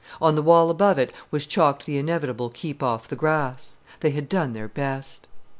On the wall above it was chalked the inevitable "Keep off the Grass." They had done their best.